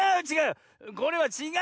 これはちがうのよ。